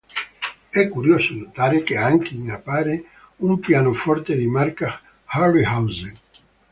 È curioso notare che anche in appare un pianoforte di marca Harryhausen.